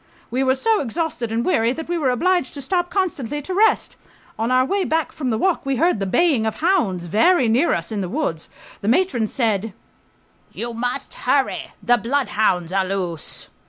We were so exhausted and weary that we were obliged to stop constantly to rest. On our way back from the walk we heard the baying of hounds very near us in the woods. The matron said, "You must hurry, the bloodhounds are loose."